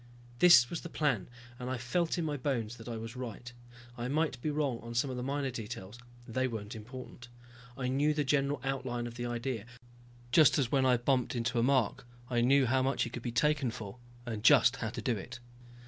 This was the plan and I felt in my bones that I was right. I might be wrong on some of the minor details, they weren't important. I knew the general outline of the idea, just as when I bumped into a mark I knew how much he could be taken for, and just how to do it.